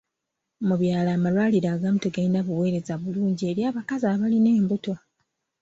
Mu byalo amalwaliro agamu tegalina buweereza bulungi eri abakazi abalina embuto.